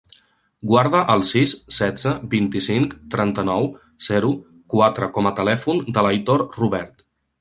Guarda el sis, setze, vint-i-cinc, trenta-nou, zero, quatre com a telèfon de l'Aitor Rubert.